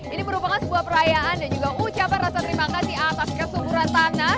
ini merupakan sebuah perayaan dan juga ucapan rasa terima kasih atas kesuburan tanah